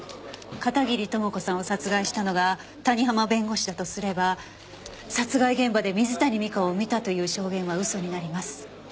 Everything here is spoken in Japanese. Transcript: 片桐朋子さんを殺害したのが谷浜弁護士だとすれば殺害現場で水谷美香を見たという証言は嘘になります。